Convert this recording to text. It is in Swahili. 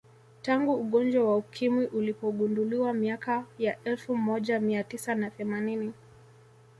Tangu ugonjwa wa Ukimwi ulipogunduliwa miaka ya elfu moja mia tisa na themanini